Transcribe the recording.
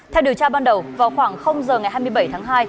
theo điều tra ban đầu vào khoảng giờ ngày hai mươi bảy tháng hai